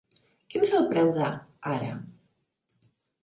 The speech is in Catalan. Quin és el preu d' "A" ara?